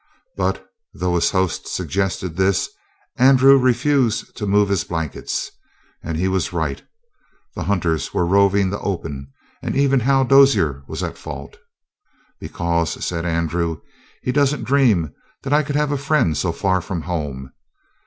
But, though his host suggested this, Andrew refused to move his blankets. And he was right. The hunters were roving the open, and even Hal Dozier was at fault. "Because," said Andrew, "he doesn't dream that I could have a friend so far from home.